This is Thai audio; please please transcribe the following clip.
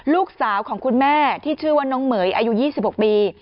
ลูกสาวของคุณแม่ที่ชื่อว่าน้องเหม๋ยอายุ๒๖ปี